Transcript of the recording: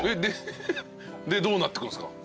でどうなってくんですか？